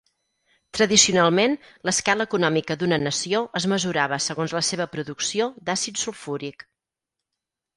Tradicionalment, l'escala econòmica d'una nació es mesurava segons la seva producció d'àcid sulfúric.